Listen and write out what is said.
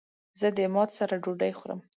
زه د عماد سره ډوډی خورم